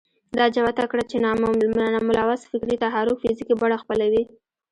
ده جوته کړه چې ناملموس فکري تحرک فزيکي بڼه خپلوي.